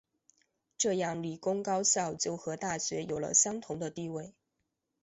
这样理工高校就和大学有了相同的地位。